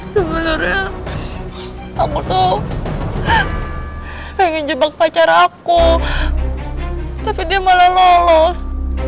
sebenarnya aku tuh pengen jebak pacar aku tapi dia malah lolos